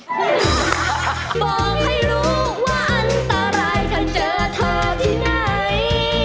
บอกให้รู้ว่าอันตรายถ้าเจอเธอที่ไหน